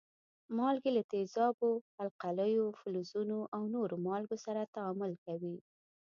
مالګې له تیزابو، القلیو، فلزونو او نورو مالګو سره تعامل کوي.